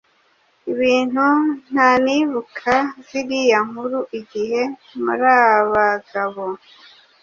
ibintu ntanibuka ziriya nkuru igihe murabagabo